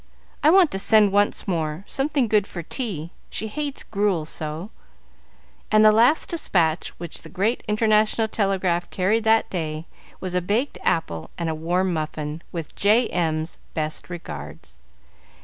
I want to send once more, something good for tea; she hates gruel so;" and the last despatch which the Great International Telegraph carried that day was a baked apple and a warm muffin, with "J. M.'s best regards."